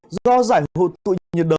do giải hụt tụi nhiệt đới